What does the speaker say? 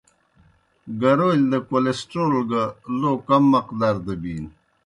گَرَولِیْ دہ کولِسٹرول گہ لو کم مقدار دہ بِینوْ۔